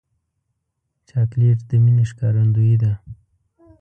چاکلېټ د مینې ښکارندویي ده.